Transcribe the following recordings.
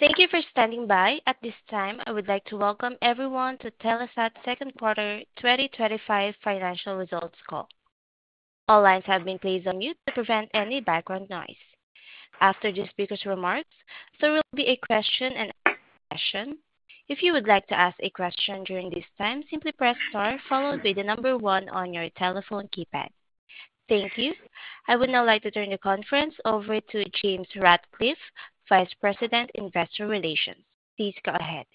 Thank you for standing by. At this time, I would like to welcome everyone to the Telesat Second Quarter 2025 Financial Results call. All lines have been placed on mute to prevent any background noise. After the speaker's remarks, there will be a question and answer session. If you would like to ask a question during this time, simply press star followed by the number one on your telephone keypad. Thank you. I would now like to turn the conference over to James Ratcliffe, Vice President, Investor Relations. Please go ahead.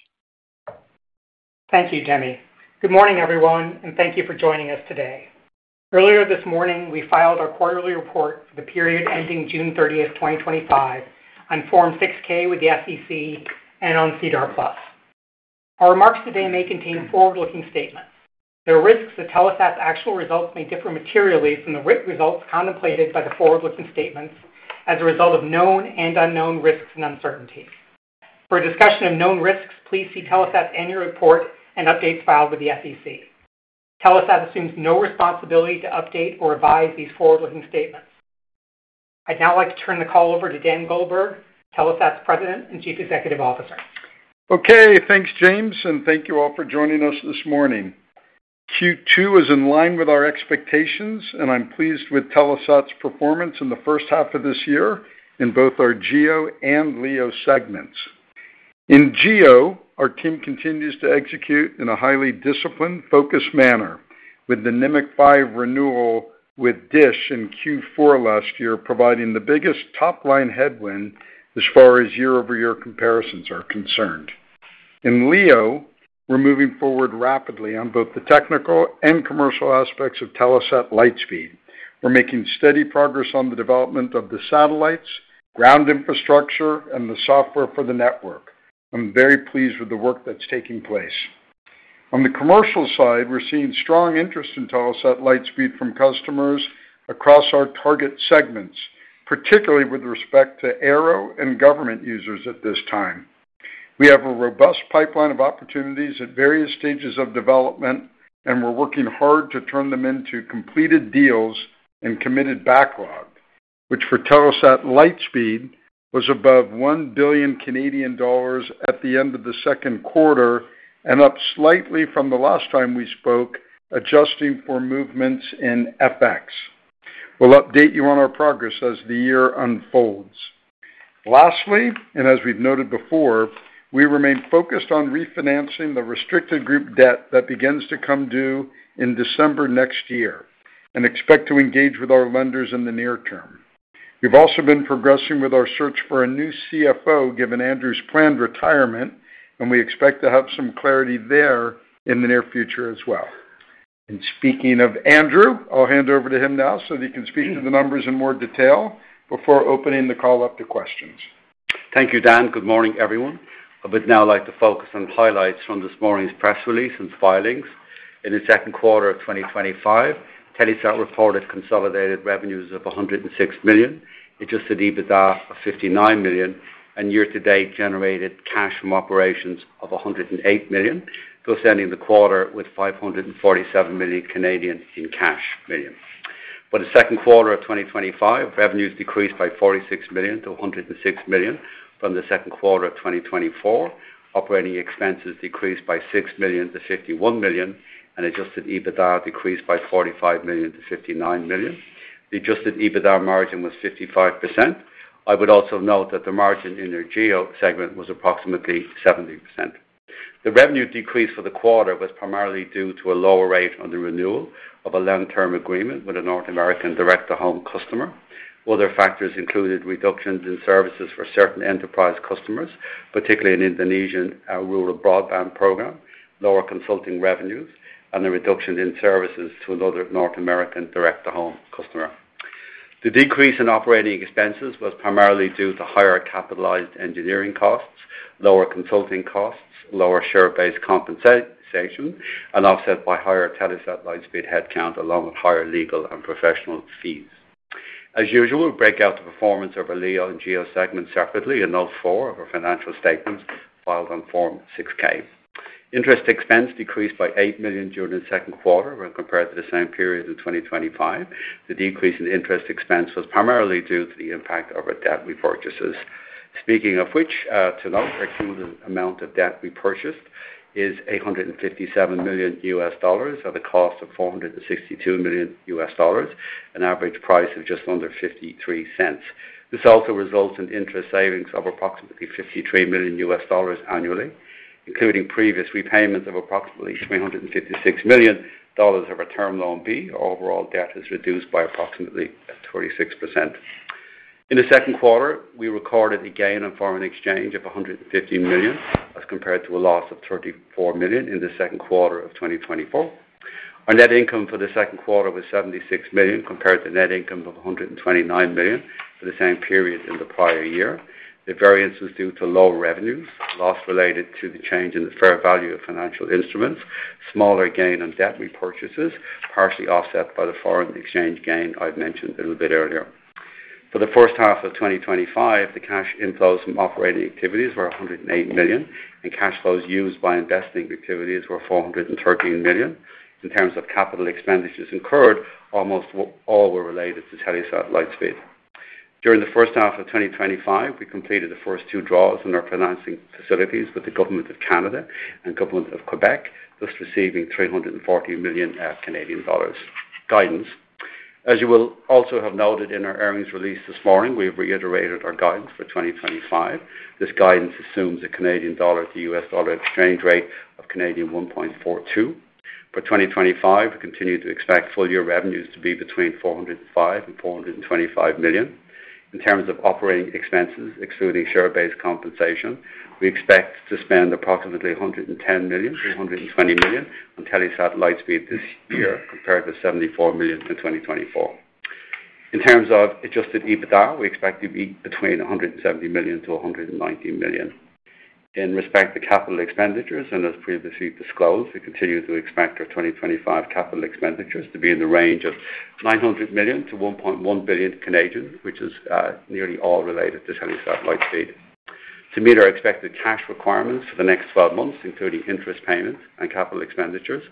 Thank you, Demi. Good morning, everyone, and thank you for joining us today. Earlier this morning, we filed our quarterly report for the period ending June 30, 2025, on Form 6-K with the SEC and on SEDAR+. Our remarks today may contain forward-looking statements. The risks that Telesat's actual results may differ materially from the results contemplated by the forward-looking statements are a result of known and unknown risks and uncertainties. For a discussion of known risks, please see Telesat's annual report and updates filed with the SEC. Telesat assumes no responsibility to update or revise these forward-looking statements. I'd now like to turn the call over to Dan Goldberg, Telesat's President and Chief Executive Officer. Okay, thanks, James, and thank you all for joining us this morning. Q2 is in line with our expectations, and I'm pleased with Telesat's performance in the first half of this year in both our GEO and LEO segments. In GEO, our team continues to execute in a highly disciplined, focused manner, with the Nimiq 5 renewal with DISH in Q4 last year providing the biggest top-line headwind as far as year-over-year comparisons are concerned. In LEO, we're moving forward rapidly on both the technical and commercial aspects of Telesat Lightspeed. We're making steady progress on the development of the satellites, ground infrastructure, and the software for the network. I'm very pleased with the work that's taking place. On the commercial side, we're seeing strong interest in Telesat Lightspeed from customers across our target segments, particularly with respect to Aero and government users at this time. We have a robust pipeline of opportunities at various stages of development, and we're working hard to turn them into completed deals and committed backlog, which for Telesat Lightspeed was above 1 billion Canadian dollars at the end of the second quarter and up slightly from the last time we spoke, adjusting for movements in FX. We'll update you on our progress as the year unfolds. Lastly, as we've noted before, we remain focused on refinancing the restricted group debt that begins to come due in December next year and expect to engage with our lenders in the near term. We've also been progressing with our search for a new CFO, given Andrew's planned retirement, and we expect to have some clarity there in the near future as well. Speaking of Andrew, I'll hand over to him now so that he can speak to the numbers in more detail before opening the call up to questions. Thank you, Dan. Good morning, everyone. I would now like to focus on the highlights from this morning's press release and filings. In the second quarter of 2025, Telesat reported consolidated revenues of 106 million, Adjusted EBITDA of 59 million, and year-to-date generated cash from operations of 108 million, closing in the quarter with 547 million in cash. In the second quarter of 2025, revenues decreased by 46 million to 106 million from the second quarter of 2024. Operating expenses decreased by 6 million to 51 million, and Adjusted EBITDA decreased by 45 million to 59 million. The Adjusted EBITDA margin was 55%. I would also note that the margin in the GEO segment was approximately 70%. The revenue decrease for the quarter was primarily due to a lower rate on the renewal of a long-term agreement with a North American direct-to-home customer. Other factors included reductions in services for certain enterprise customers, particularly an Indonesian rural broadband program, lower consulting revenues, and a reduction in services to another North American direct-to-home customer. The decrease in operating expenses was primarily due to higher capitalized engineering costs, lower consulting costs, lower share-based compensation, and offset by higher Telesat Lightspeed headcount, along with higher legal and professional fees. As usual, we'll break out the performance of our LEO and GEO segments separately in all four of our financial statements filed on Form 6-K. Interest expense decreased by 8 million during the second quarter when compared to the same period in 2025. The decrease in interest expense was primarily due to the impact of our debt repurchases. To note, a cumulative amount of debt repurchased is CAD 857 million at a cost of CAD 462 million, an average price of just under 0.53. This also results in interest savings of approximately CAD 53 million annually, including previous repayments of approximately 356 million dollars of a term loan B. Our overall debt has reduced by approximately 26%. In the second quarter, we recorded a gain on foreign exchange of 115 million as compared to a loss of 34 million in the second quarter of 2024. Our net income for the second quarter was 76 million compared to a net income of 129 million for the same period in the prior year. The variance was due to low revenues, loss related to the change in the fair value of financial instruments, smaller gain on debt repurchases, partially offset by the foreign exchange gain I’ve mentioned a little bit earlier. For the first half of 2025, the cash inflows from operating activities were 108 million, and cash flows used by investing activities were 413 million. In terms of capital expenditures incurred, almost all were related to Telesat Lightspeed. During the first half of 2025, we completed the first two draws on our financing facilities with the Government of Canada and the Government of Quebec, thus receiving 340 million Canadian dollars. Guidance. As you will also have noted in our earnings release this morning, we have reiterated our guidance for 2025. This guidance assumes a Canadian dollar to U.S. dollar exchange rate of 1.42. For 2025, we continue to expect full-year revenues to be between 405 million and 425 million. In terms of operating expenses, excluding share-based compensation, we expect to spend approximately 110 million to 120 million on Telesat Lightspeed this year, compared with 74 million in 2024. In terms of Adjusted EBITDA, we expect to be between 170 million to 119 million. In respect to capital expenditures, and as previously disclosed, we continue to expect our 2025 capital expenditures to be in the range of 900 million to 1.1 billion, which is nearly all related to Telesat Lightspeed. To meet our expected cash requirements for the next 12 months, including interest payments and capital expenditures,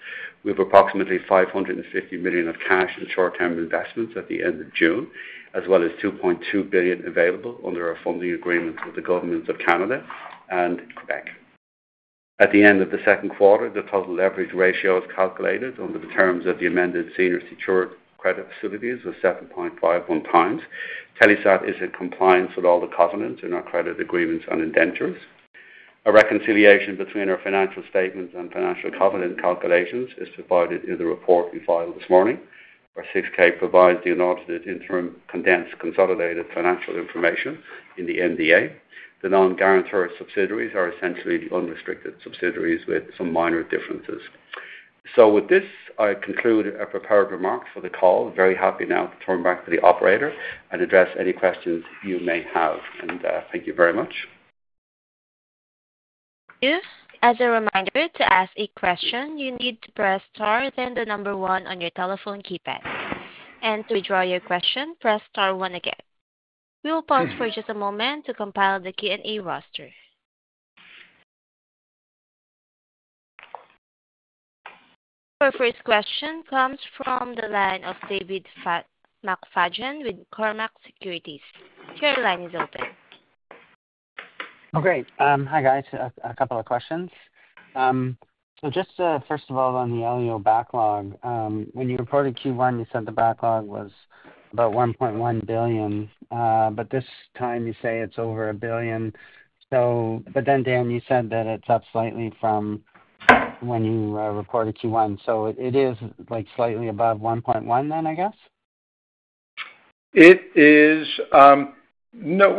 we have approximately 550 million of cash in short-term investments at the end of June, as well as 2.2 billion available under our funding agreements with the Governments of Canada and Quebec. At the end of the second quarter, the total leverage ratio is calculated under the terms of the amended senior secured credit facilities of 7.51 times. Telesat is in compliance with all the covenants and our credit agreements on indentures. A reconciliation between our financial statements and financial covenant calculations is provided in the report we filed this morning. Our 6K provides the unaudited interim condensed consolidated financial information in the MD&A. The non-guarantor subsidiaries are essentially the unrestricted subsidiaries with some minor differences. With this, I conclude our prepared remarks for the call. I'm very happy now to turn back to the operator and address any questions you may have. Thank you very much. If, as a reminder, to ask a question, you need to press star then the number one on your telephone keypad. To withdraw your question, press star one again. We will pause for just a moment to compile the Q&A roster. Our first question comes from the line of David McFadden with Cormark Securities. Your line is open. Oh, great. Hi guys, a couple of questions. Just first of all, on the LEO backlog, when you reported Q1, you said the backlog was about 1.1 billion, but this time you say it's over a billion. Dan, you said that it's up slightly from when you reported Q1. Is it like slightly above 1.1 billion then, I guess? No,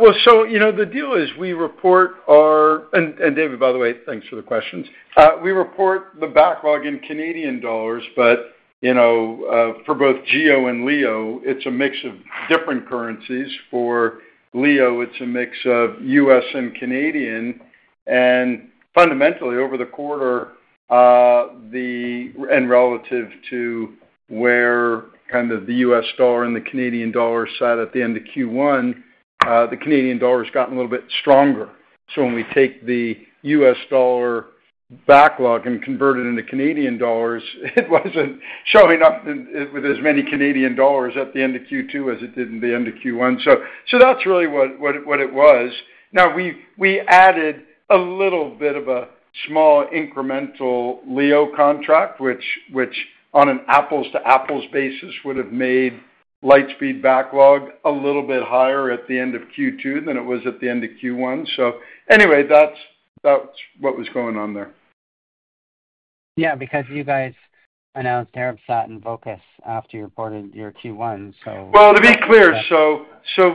the deal is we report our, and David, by the way, thanks for the questions. We report the backlog in Canadian dollars, but for both GEO and LEO, it's a mix of different currencies. For LEO, it's a mix of U.S. and Canadian, and fundamentally over the quarter, and relative to where the U.S. dollar and the Canadian dollar sat at the end of Q1, the Canadian dollar's gotten a little bit stronger. When we take the U.S. dollar backlog and convert it into Canadian dollars, it wasn't showing up with as many Canadian dollars at the end of Q2 as it did at the end of Q1. That's really what it was. We added a little bit of a small incremental LEO contract, which on an apples-to-apples basis would have made Lightspeed backlog a little bit higher at the end of Q2 than it was at the end of Q1. Anyway, that's what was going on there. Yeah, because you guys announced Arabsat and Vocus after you reported your Q1.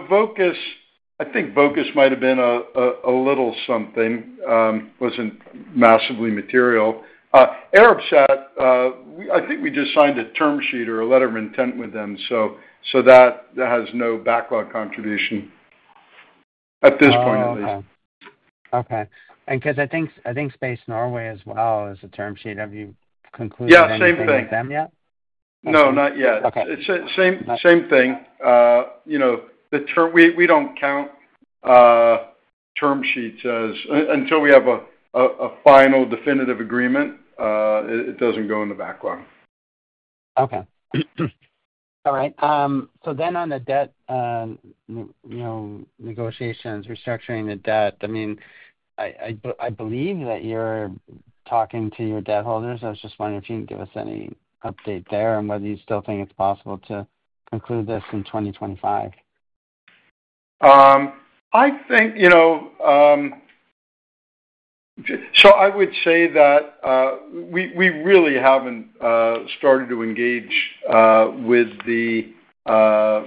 Vocus, I think Vocus might have been a little something, wasn't massively material. Arabsat, I think we just signed a term sheet or a letter of intent with them, so that has no backlog contribution at this point. Okay. I think Space Norway as well is a term sheet. Have you concluded anything with them yet? No, not yet. Okay, same thing. You know, the term, we don't count term sheets as, until we have a final definitive agreement, it doesn't go in the backlog. All right. On the debt negotiations, restructuring the debt, I believe that you're talking to your debt holders. I was just wondering if you can give us any update there and whether you still think it's possible to include this in 2025. I think I would say that we really haven't started to engage with the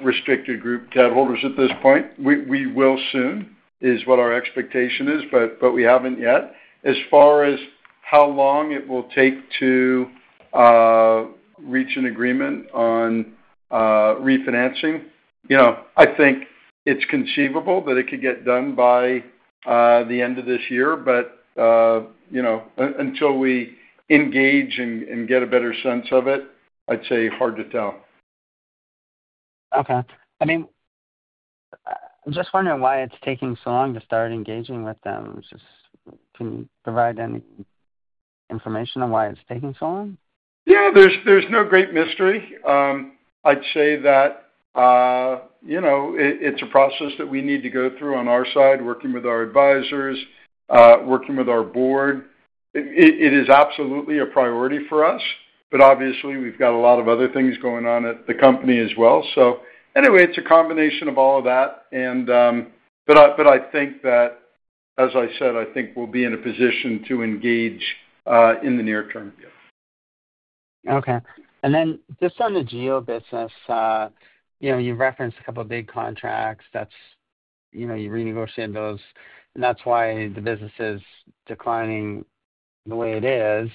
restricted group debt holders at this point. We will soon is what our expectation is, but we haven't yet. As far as how long it will take to reach an agreement on refinancing, I think it's conceivable that it could get done by the end of this year, but until we engage and get a better sense of it, I'd say hard to tell. Okay, I'm just wondering why it's taking so long to start engaging with them. Can you provide any information on why it's taking so long? Yeah, there's no great mystery. I'd say that it's a process that we need to go through on our side, working with our advisors, working with our board. It is absolutely a priority for us, but obviously we've got a lot of other things going on at the company as well. It's a combination of all of that. I think that, as I said, I think we'll be in a position to engage in the near term. Okay. On the GEO business, you referenced a couple of big contracts. You renegotiated those, and that's why the business is declining the way it is.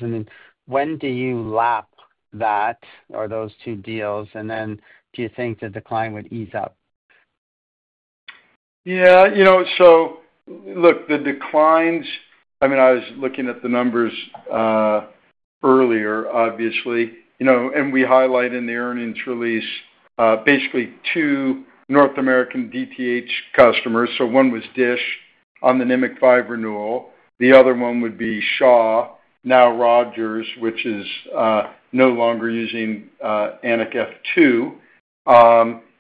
When do you lap that or those two deals, and do you think the decline would ease up? Yeah, you know, so look, the declines, I mean, I was looking at the numbers earlier, obviously, you know, and we highlight in the earnings release basically two North American DTH customers. One was DISH on the Nimiq 5 renewal. The other one would be Shaw, now Rogers, which is no longer using Anik F2.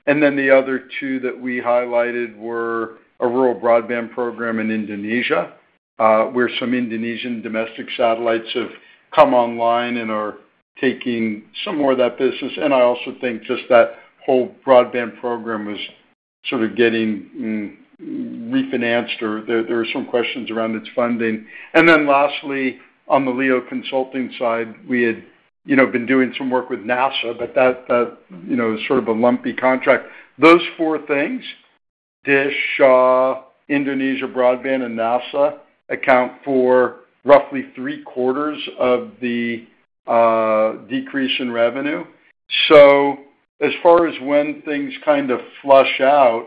The other two that we highlighted were a rural broadband program in Indonesia, where some Indonesian domestic satellites have come online and are taking some more of that business. I also think just that whole broadband program was sort of getting refinanced, or there were some questions around its funding. Lastly, on the LEO consulting side, we had been doing some work with NASA, but that is sort of a lumpy contract. Those four things, DISH, Shaw, Indonesia broadband, and NASA account for roughly three quarters of the decrease in revenue. As far as when things kind of flush out,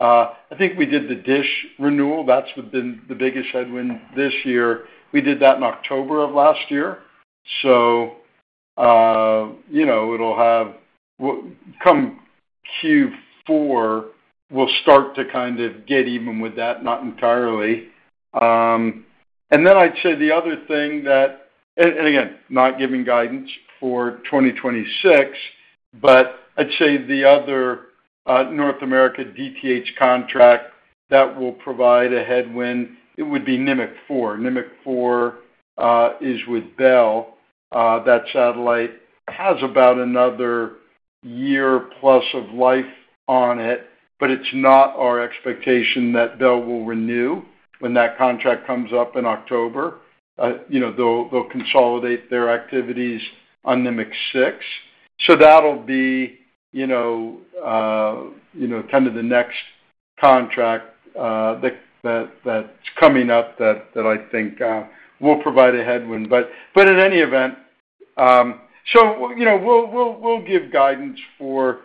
I think we did the DISH renewal. That's been the biggest headwind this year. We did that in October of last year. Come Q4, we'll start to kind of get even with that, not entirely. I'd say the other thing that, and again, not giving guidance for 2026, but I'd say the other North America DTH contract that will provide a headwind would be Nimiq 4. Nimiq 4 is with Bell. That satellite has about another year plus of life on it, but it's not our expectation that Bell will renew when that contract comes up in October. They'll consolidate their activities on Nimiq 6. That will be the next contract that's coming up that I think will provide a headwind. In any event, we'll give guidance for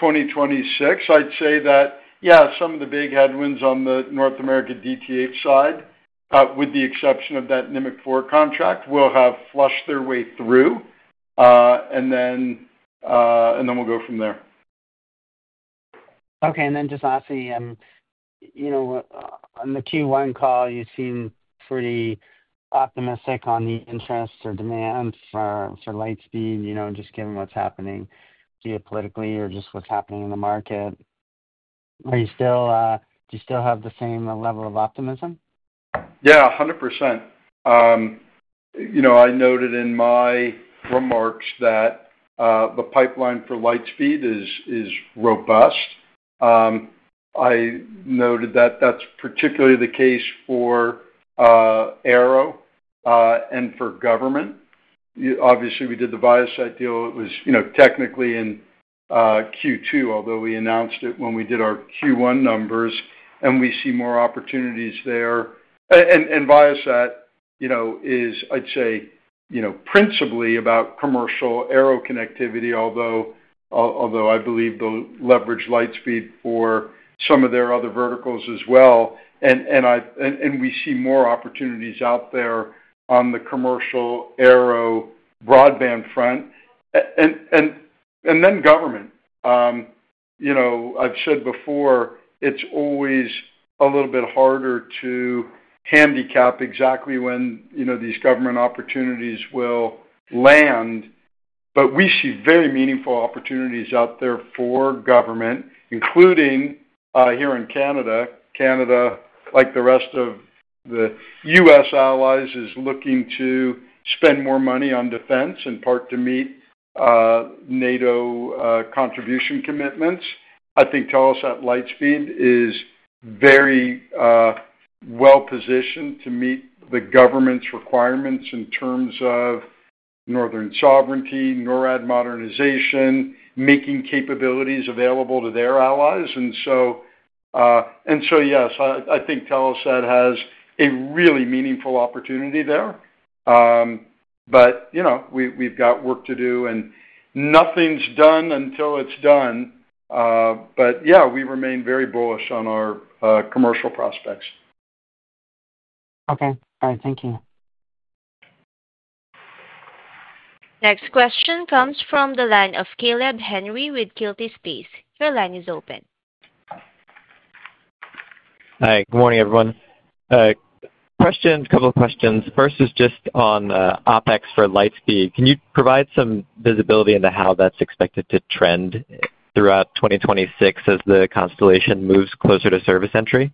2026. I'd say that, yeah, some of the big headwinds on the North America DTH side, with the exception of that Nimiq 4 contract, will have flushed their way through, and then we'll go from there. Okay. Lastly, on the Q1 call, you seem pretty optimistic on the interest or demand for Lightspeed, just given what's happening geopolitically or just what's happening in the market. Do you still have the same level of optimism? Yeah, 100%. I noted in my remarks that the pipeline for Lightspeed is robust. I noted that that's particularly the case for Aero and for government. Obviously, we did the Viasat deal. It was technically in Q2, although we announced it when we did our Q1 numbers, and we see more opportunities there. Viasat is, I'd say, principally about commercial Aero connectivity, although I believe they'll leverage Lightspeed for some of their other verticals as well. We see more opportunities out there on the commercial Aero broadband front and then government. I've said before, it's always a little bit harder to handicap exactly when these government opportunities will land. We see very meaningful opportunities out there for government, including here in Canada. Canada, like the rest of the U.S. allies, is looking to spend more money on defense in part to meet NATO contribution commitments. I think Telesat Lightspeed is very well-positioned to meet the government's requirements in terms of northern sovereignty, NORAD modernization, making capabilities available to their allies. Yes, I think Telesat has a really meaningful opportunity there, but we've got work to do and nothing's done until it's done. Yeah, we remain very bullish on our commercial prospects. Okay. All right. Thank you. Next question comes from the line of Caleb Henry with Quilty Space. Your line is open. Hi, good morning everyone. A couple of questions. First is just on the OpEx for Lightspeed. Can you provide some visibility into how that's expected to trend throughout 2026 as the constellation moves closer to service entry?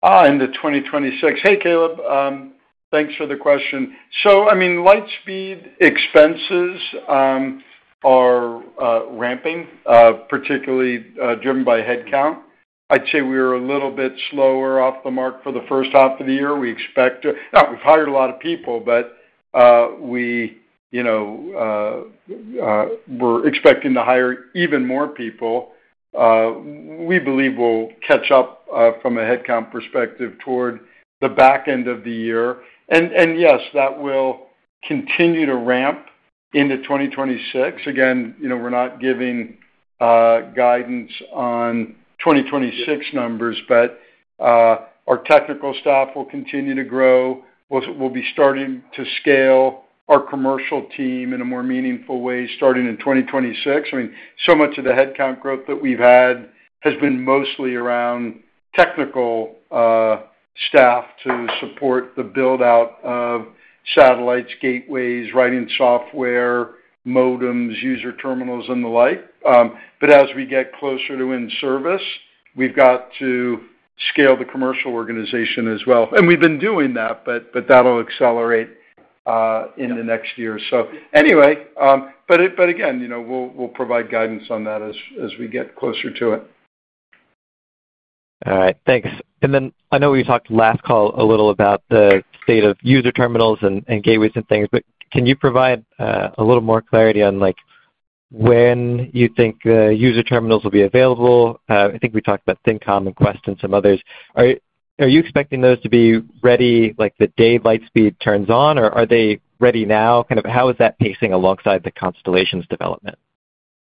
In 2026. Hey Caleb, thanks for the question. Lightspeed expenses are ramping, particularly driven by headcount. I'd say we're a little bit slower off the mark for the first half of the year. We expect to, we've hired a lot of people, but we're expecting to hire even more people. We believe we'll catch up from a headcount perspective toward the back end of the year. Yes, that will continue to ramp into 2026. Again, we're not giving guidance on 2026 numbers, but our technical staff will continue to grow. We'll be starting to scale our commercial team in a more meaningful way starting in 2026. So much of the headcount growth that we've had has been mostly around technical staff to support the build-out of satellites, gateways, writing software, modems, user terminals, and the like. As we get closer to in-service, we've got to scale the commercial organization as well. We've been doing that, but that'll accelerate in the next year. Again, we'll provide guidance on that as we get closer to it. All right, thanks. I know we talked last call a little about the state of user terminals and gateways and things, but can you provide a little more clarity on when you think the user terminals will be available? I think we talked about ThinKom and Quest and some others. Are you expecting those to be ready the day Lightspeed turns on, or are they ready now? How is that pacing alongside the constellation's development?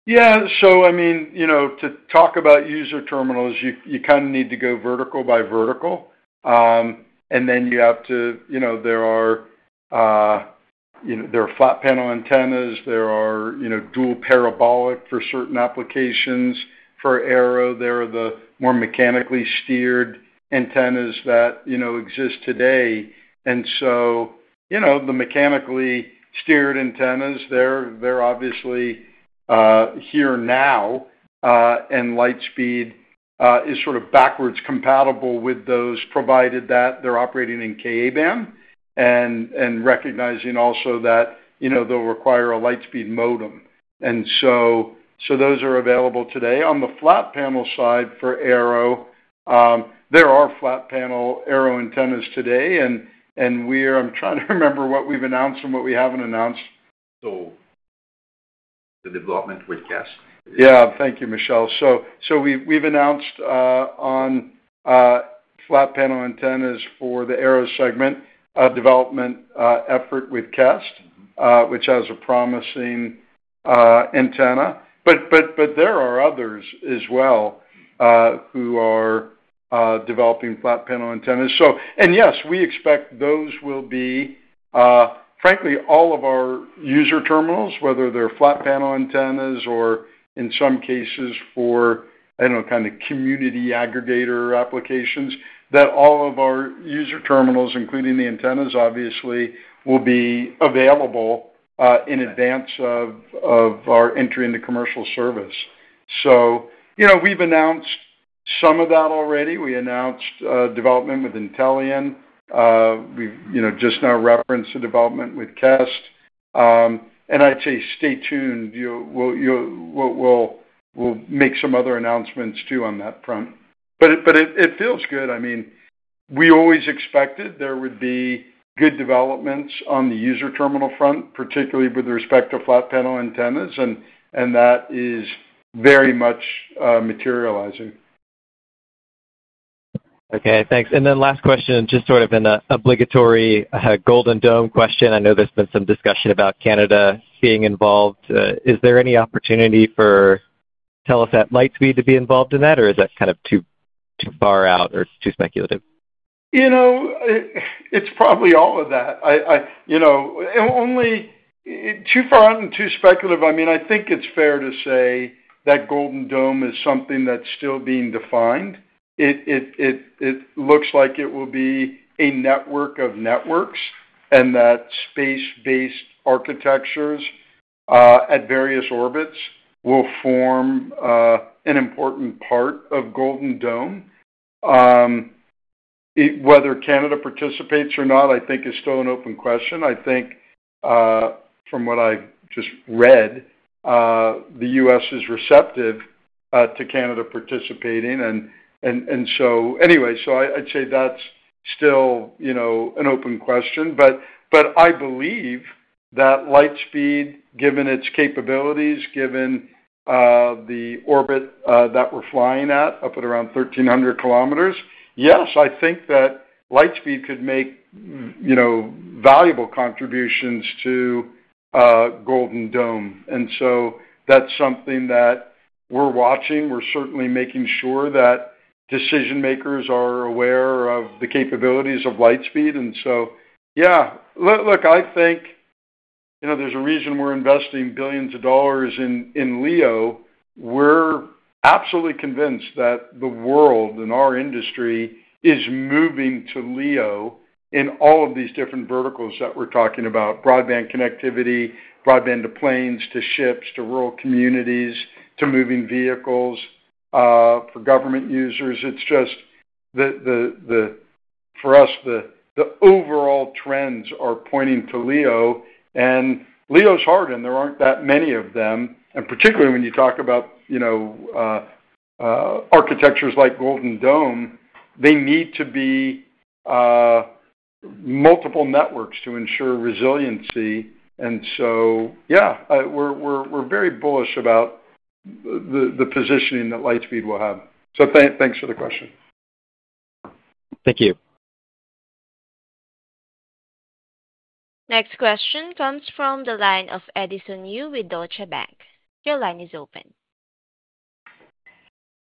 Yeah, to talk about user terminals, you kind of need to go vertical by vertical. You have to, you know, there are flat panel antennas, there are dual parabolic for certain applications. For Aero, there are the more mechanically steered antennas that exist today. The mechanically steered antennas are obviously here now, and Lightspeed is sort of backwards compatible with those provided that they're operating in Ka-band and recognizing also that they'll require a Lightspeed modem. Those are available today. On the flat panel side for Aero, there are flat panel Aero antennas today. We are, I'm trying to remember what we've announced and what we haven't announced. The development with CAST. Thank you, Michelle. We've announced, on flat panel antennas for the Aero segment, development effort with CAST, which has a promising antenna. There are others as well who are developing flat panel antennas. Yes, we expect those will be, frankly, all of our user terminals, whether they're flat panel antennas or in some cases for, I don't know, kind of community aggregator applications, that all of our user terminals, including the antennas, obviously will be available in advance of our entry into commercial service. We've announced some of that already. We announced development with Intellian. We've just now referenced the development with CAST. I'd say stay tuned. We'll make some other announcements too on that front. It feels good. We always expected there would be good developments on the user terminal front, particularly with respect to flat panel antennas. That is very much materializing. Okay, thanks. Last question, just sort of in an obligatory, Golden Dome question. I know there's been some discussion about Canada being involved. Is there any opportunity for Telesat Lightspeed to be involved in that, or is that kind of too, too far out or too speculative? You know, it's probably all of that. I think it's fair to say that Golden Dome is something that's still being defined. It looks like it will be a network of networks and that space-based architectures at various orbits will form an important part of Golden Dome. Whether Canada participates or not, I think is still an open question. From what I just read, the U.S. is receptive to Canada participating. I'd say that's still an open question. I believe that Lightspeed, given its capabilities, given the orbit that we're flying at up at around 1,300 kilometers, yes, I think that Lightspeed could make valuable contributions to Golden Dome. That's something that we're watching. We're certainly making sure that decision makers are aware of the capabilities of Lightspeed. I think there's a reason we're investing billions of dollars in LEO. We're absolutely convinced that the world and our industry is moving to LEO in all of these different verticals that we're talking about: broadband connectivity, broadband to planes, to ships, to rural communities, to moving vehicles. For government users, it's just that for us, the overall trends are pointing to LEO. LEO's hard, and there aren't that many of them. Particularly when you talk about architectures like Golden Dome, they need to be multiple networks to ensure resiliency. We're very bullish about the positioning that Lightspeed will have. Thanks for the question. Thank you. Next question comes from the line of Edison Yu with Deutsche Bank. Your line is open.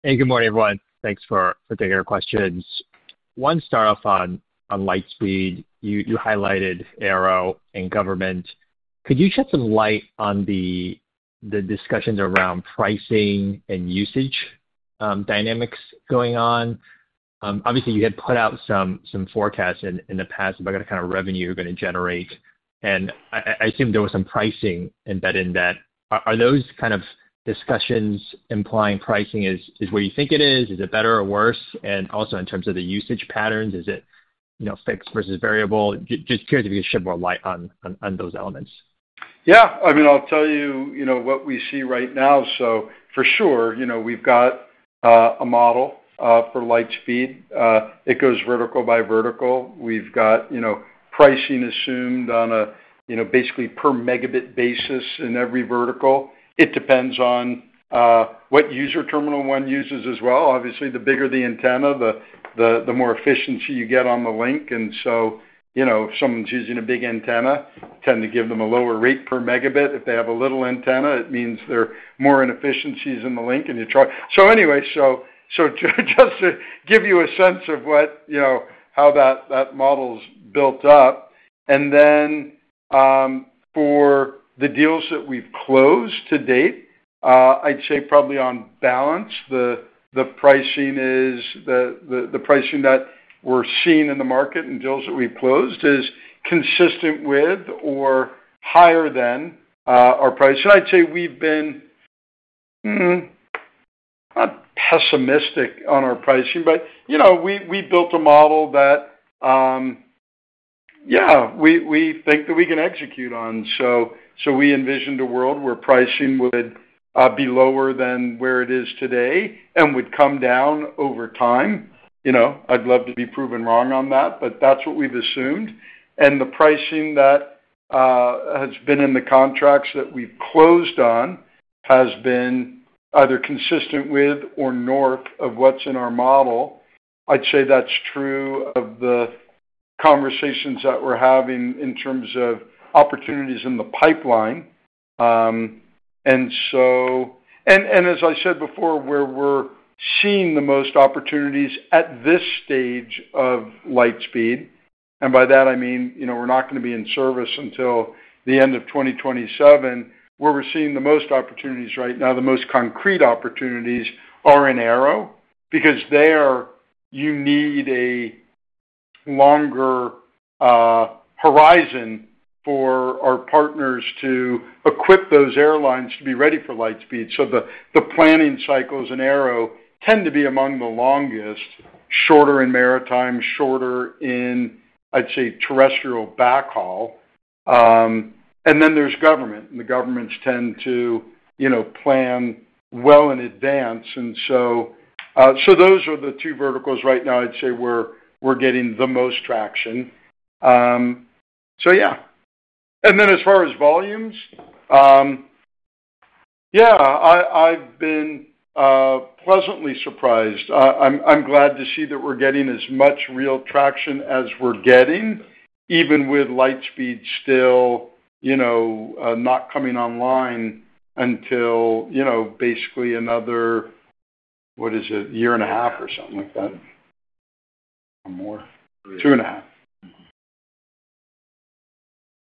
Hey, good morning everyone. Thanks for taking our questions. One, start off on Lightspeed. You highlighted Aero and government. Could you shed some light on the discussions around pricing and usage dynamics going on? Obviously, you had put out some forecasts in the past about the kind of revenue you're going to generate. I assume there was some pricing embedded in that. Are those kind of discussions implying pricing is where you think it is? Is it better or worse? Also, in terms of the usage patterns, is it, you know, fixed versus variable? Just curious if you could shed more light on those elements. Yeah, I mean, I'll tell you what we see right now. For sure, we've got a model for Lightspeed. It goes vertical by vertical. We've got pricing assumed on a basically per megabit basis in every vertical. It depends on what user terminal one uses as well. Obviously, the bigger the antenna, the more efficiency you get on the link. If someone's using a big antenna, tend to give them a lower rate per megabit. If they have a little antenna, it means there are more inefficiencies in the link and you try. Just to give you a sense of how that model's built up. For the deals that we've closed to date, I'd say probably on balance, the pricing that we're seeing in the market and deals that we've closed is consistent with or higher than our price. I'd say we've been not pessimistic on our pricing, but we built a model that we think we can execute on. We envisioned a world where pricing would be lower than where it is today and would come down over time. I'd love to be proven wrong on that, but that's what we've assumed. The pricing that has been in the contracts that we've closed on has been either consistent with or north of what's in our model. I'd say that's true of the conversations that we're having in terms of opportunities in the pipeline. As I said before, where we're seeing the most opportunities at this stage of Lightspeed, and by that I mean we're not going to be in service until the end of 2027, where we're seeing the most opportunities right now, the most concrete opportunities are in Aero because there, you need a longer horizon for our partners to equip those airlines to be ready for Lightspeed. The planning cycles in Aero tend to be among the longest, shorter in maritime, shorter in terrestrial backhaul. Then there's government, and the governments tend to plan well in advance. Those are the two verticals right now I'd say we're getting the most traction. As far as volumes, I've been pleasantly surprised. I'm glad to see that we're getting as much real traction as we're getting, even with Lightspeed still not coming online until basically another, what is it, a year and a half or something like that? Or more. Two and a half.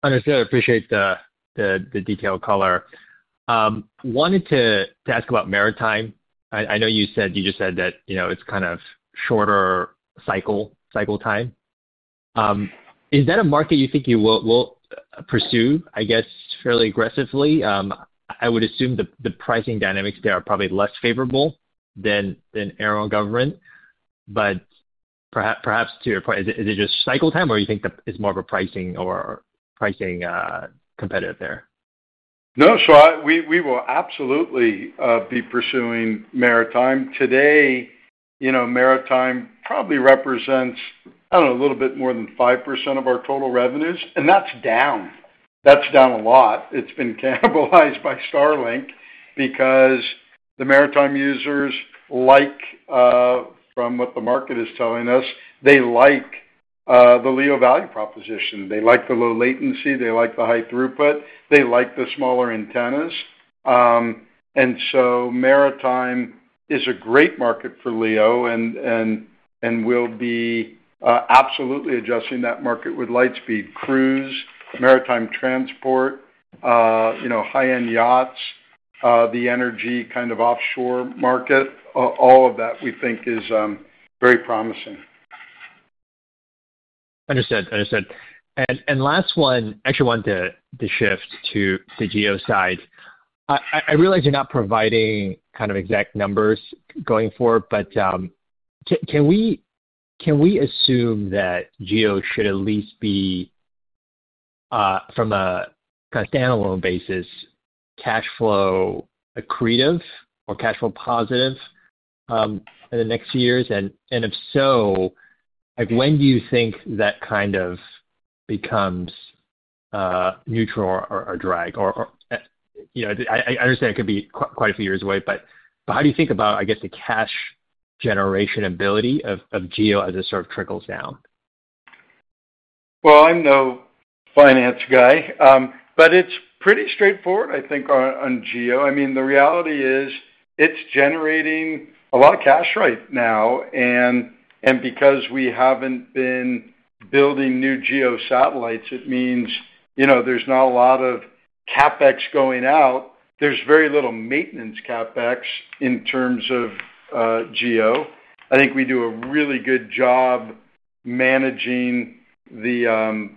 Understood. I appreciate the detailed caller. Wanted to ask about maritime. I know you said, you just said that, you know, it's kind of shorter cycle time. Is that a market you think you will pursue, I guess, fairly aggressively? I would assume the pricing dynamics there are probably less favorable than Aero government. Perhaps to your point, is it just cycle time or do you think that it's more of a pricing or pricing competitive there? No, we will absolutely be pursuing maritime. Today, you know, maritime probably represents, I don't know, a little bit more than 5% of our total revenues, and that's down. That's down a lot. It's been cannibalized by Starlink because the maritime users, from what the market is telling us, they like the LEO value proposition. They like the low latency. They like the high throughput. They like the smaller antennas. Maritime is a great market for LEO and we will absolutely be addressing that market with Lightspeed. Cruise, maritime transport, high-end yachts, the energy kind of offshore market, all of that we think is very promising. Understood. I actually wanted to shift to the GEO side. I realize you're not providing kind of exact numbers going forward, but can we assume that GEO should at least be, from a kind of standalone basis, cash flow accretive or cash flow positive in the next two years? If so, when do you think that kind of becomes neutral or drag? You know, I understand it could be quite a few years away, but how do you think about, I guess, the cash generation ability of GEO as it sort of trickles down? I am no finance guy, but it's pretty straightforward, I think, on GEO. The reality is it's generating a lot of cash right now, and because we haven't been building new GEO satellites, it means there's not a lot of CapEx going out. There's very little maintenance CapEx in terms of GEO. I think we do a really good job managing the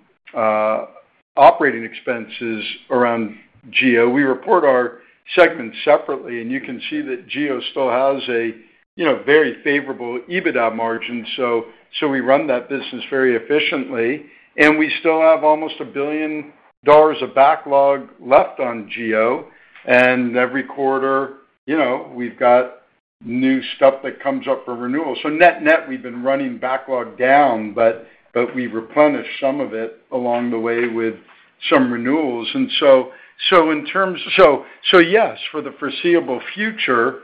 operating expenses around GEO. We report our segments separately, and you can see that GEO still has a very favorable EBITDA margin. We run that business very efficiently, and we still have almost 1 billion dollars of backlog left on GEO. Every quarter, we've got new stuff that comes up for renewal. Net net, we've been running backlog down, but we replenish some of it along the way with some renewals. In terms of the foreseeable future,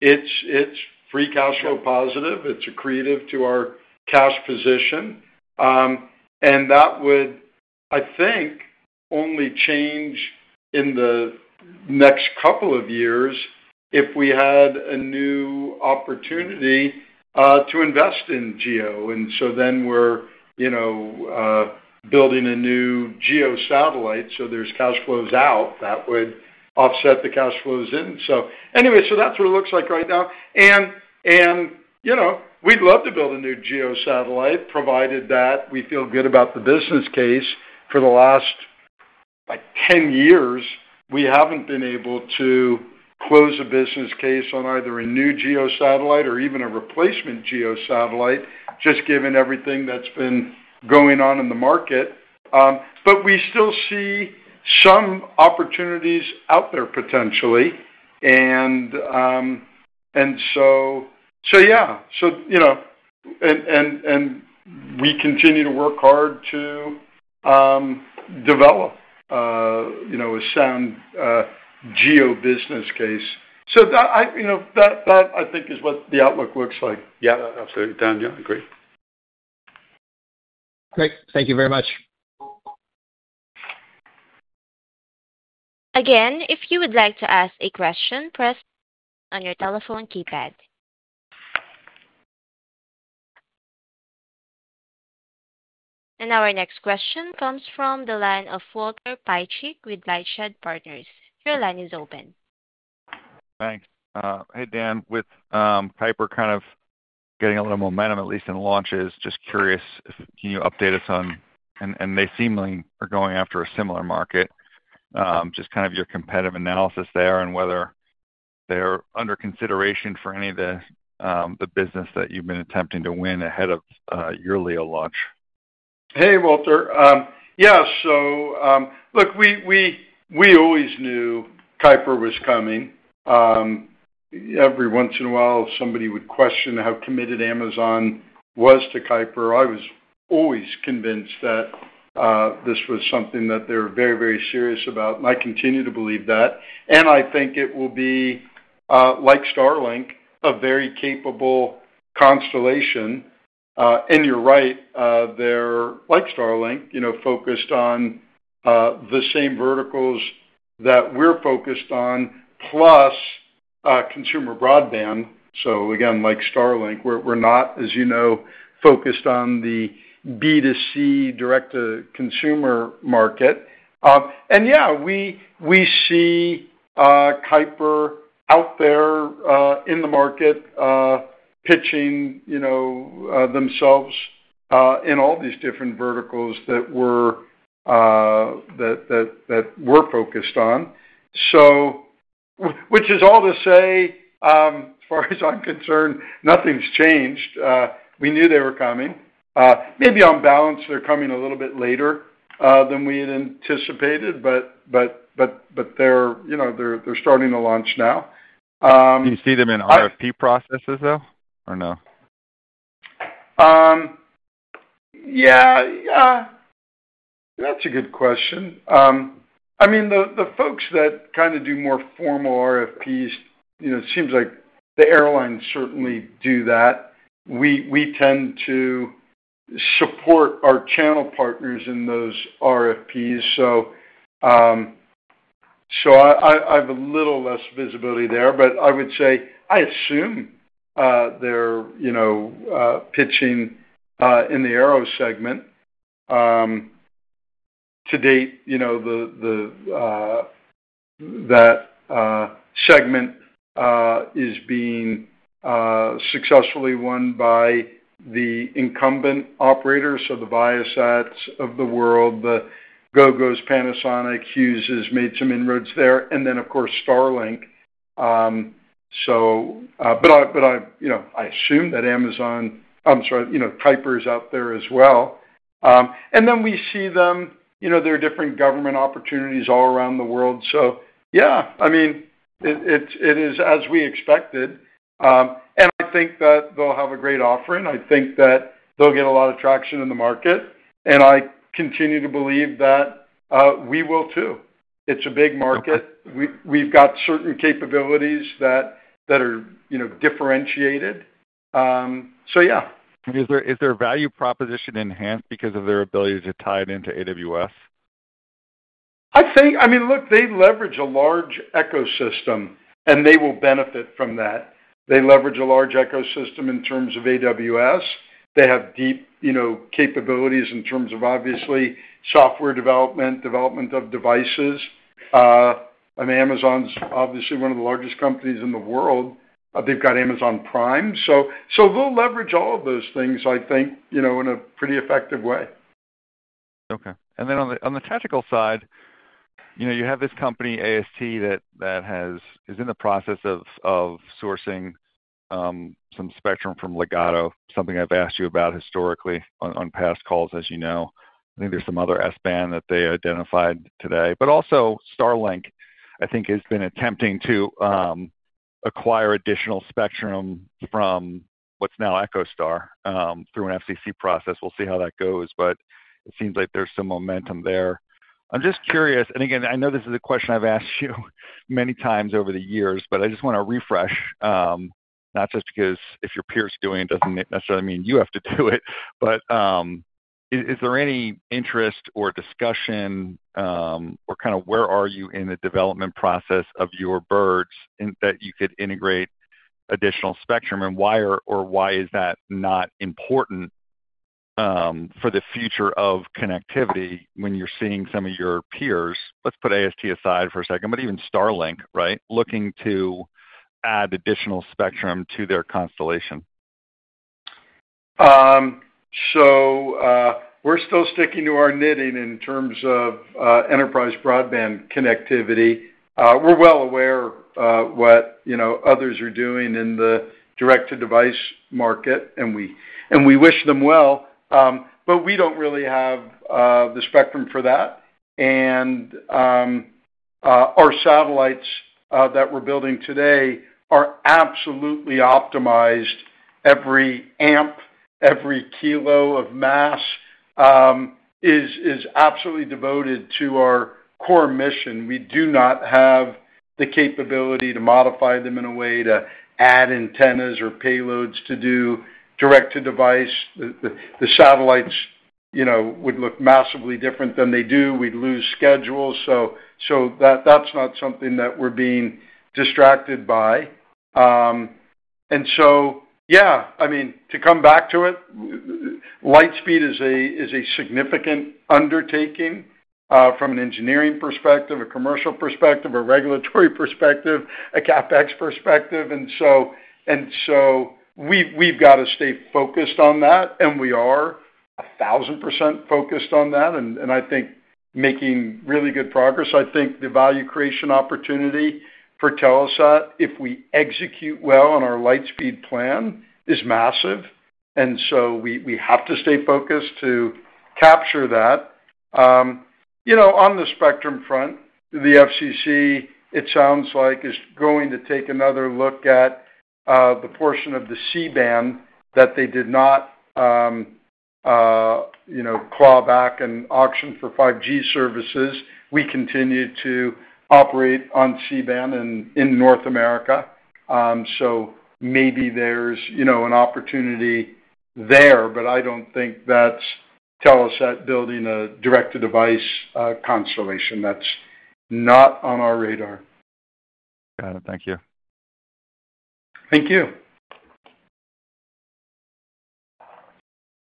it's free cash flow positive. It's accretive to our cash position, and that would, I think, only change in the next couple of years if we had a new opportunity to invest in GEO. Then we're building a new GEO satellite, so there's cash flows out that would offset the cash flows in. That's what it looks like right now, and we'd love to build a new GEO satellite provided that we feel good about the business case. For the last 10 years, we haven't been able to close a business case on either a new GEO satellite or even a replacement GEO satellite, just given everything that's been going on in the market. We still see some opportunities out there potentially, and we continue to work hard to develop a sound GEO business case. That, I think, is what the outlook looks like. Yeah, absolutely. Dan, yeah, I agree. Thank you very much. Again, if you would like to ask a question, press on your telephone keypad. Our next question comes from the line of Walt Piecyk with LightShed Partners. Your line is open. Thanks. Hey Dan, with Kuiper kind of getting a little momentum, at least in launches, just curious if you can update us on, and they seemingly are going after a similar market, just kind of your competitive analysis there and whether they're under consideration for any of the business that you've been attempting to win ahead of your LEO launch. Hey Walt. Yeah, so look, we always knew Kuiper was coming. Every once in a while, somebody would question how committed Amazon was to Kuiper. I was always convinced that this was something that they were very, very serious about, and I continue to believe that. I think it will be, like Starlink, a very capable constellation. You're right, they're like Starlink, you know, focused on the same verticals that we're focused on, plus consumer broadband. Again, like Starlink, we're not, as you know, focused on the B2C direct-to-consumer market. Yeah, we see Kuiper out there in the market pitching, you know, themselves in all these different verticals that we're focused on, which is all to say, as far as I'm concerned, nothing's changed. We knew they were coming. Maybe on balance, they're coming a little bit later than we had anticipated, but they're, you know, they're starting to launch now. Do you see them in RFP processes, though, or no? Yeah, that's a good question. I mean, the folks that kind of do more formal RFPs, it seems like the airlines certainly do that. We tend to support our channel partners in those RFPs. I have a little less visibility there, but I would say I assume they're pitching in the Aero segment. To date, that segment is being successfully won by the incumbent operators, so the Viasat of the world, the Gogo, Panasonic, Hughes has made some inroads there, and, of course, Starlink. I assume that Amazon, I'm sorry, Project Kuiper is out there as well. We see them, there are different government opportunities all around the world. It is as we expected. I think that they'll have a great offering. I think that they'll get a lot of traction in the market. I continue to believe that we will too. It's a big market. We've got certain capabilities that are differentiated. So yeah. Is their value proposition enhanced because of their ability to tie it into AWS? I think, I mean, look, they leverage a large ecosystem, and they will benefit from that. They leverage a large ecosystem in terms of AWS. They have deep capabilities in terms of obviously software development, development of devices. I mean, Amazon's obviously one of the largest companies in the world. They've got Amazon Prime. They'll leverage all of those things, I think, in a pretty effective way. Okay. On the technical side, you have this company, AST, that is in the process of sourcing some spectrum from Ligado, something I've asked you about historically on past calls, as you know. I think there's some other S-Band that they identified today. Also, Starlink, I think, has been attempting to acquire additional spectrum from what's now EchoStar through an FCC process. We'll see how that goes, but it seems like there's some momentum there. I'm just curious, and again, I know this is a question I've asked you many times over the years, but I just want to refresh not just because if your peer's doing it, it doesn't necessarily mean you have to do it. Is there any interest or discussion or kind of where are you in the development process of your birds that you could integrate additional spectrum and why or why is that not important for the future of connectivity when you're seeing some of your peers? Let's put AST aside for a second, but even Starlink, right, looking to add additional spectrum to their constellation. We're still sticking to our knitting in terms of enterprise broadband connectivity. We're well aware of what others are doing in the direct-to-device market, and we wish them well. We don't really have the spectrum for that. Our satellites that we're building today are absolutely optimized. Every amp, every kilo of mass is absolutely devoted to our core mission. We do not have the capability to modify them in a way to add antennas or payloads to do direct-to-device. The satellites would look massively different than they do. We'd lose schedules. That's not something that we're being distracted by. To come back to it, Lightspeed is a significant undertaking from an engineering perspective, a commercial perspective, a regulatory perspective, a CapEx perspective. We've got to stay focused on that, and we are 1,000% focused on that. I think making really good progress. I think the value creation opportunity for Telesat, if we execute well on our Lightspeed plan, is massive. We have to stay focused to capture that. On the spectrum front, the FCC, it sounds like, is going to take another look at the portion of the C-band that they did not claw back and auction for 5G services. We continue to operate on C-band in North America. Maybe there's an opportunity there, but I don't think that's Telesat building a direct-to-device constellation. That's not on our radar. Got it. Thank you. Thank you.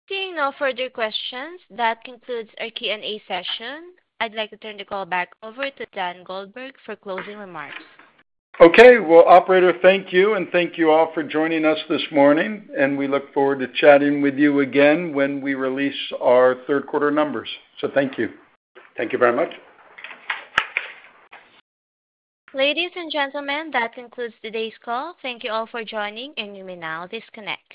Seeing no further questions, that concludes our Q&A session. I'd like to turn the call back over to Dan Goldberg for closing remarks. Okay. Operator, thank you, and thank you all for joining us this morning. We look forward to chatting with you again when we release our third quarter numbers. Thank you. Thank you very much. Ladies and gentlemen, that concludes today's call. Thank you all for joining, and you may now disconnect.